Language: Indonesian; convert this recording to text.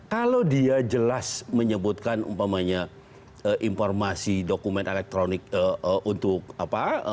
kalau dia jelas menyebutkan umpamanya informasi dokumen elektronik untuk apa